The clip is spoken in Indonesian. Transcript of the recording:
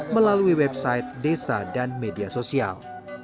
melalui website desa dan media sosial